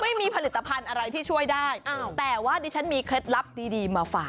ไม่มีผลิตภัณฑ์อะไรที่ช่วยได้แต่ว่าดิฉันมีเคล็ดลับดีมาฝาก